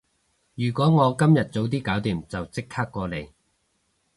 如果我今日早啲搞掂，就即刻過嚟